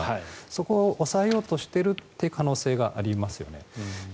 そこを抑えようとしているという可能性がありますよね。